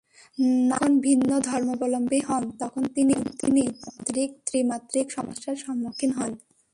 নারী যখন ভিন্ন ধর্মাবলম্বী হন, তখন তিনি দ্বিমাত্রিক-ত্রিমাত্রিক সমস্যার সম্মুখীন হন।